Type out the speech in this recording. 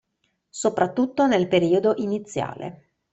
Soprattutto nel periodo iniziale.